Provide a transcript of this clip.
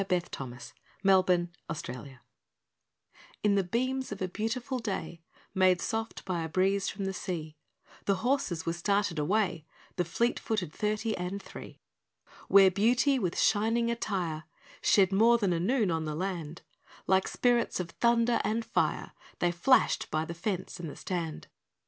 How the Melbourne Cup was Won In the beams of a beautiful day, Made soft by a breeze from the sea, The horses were started away, The fleet footed thirty and three; Where beauty, with shining attire, Shed more than a noon on the land, Like spirits of thunder and fire They flashed by the fence and the stand.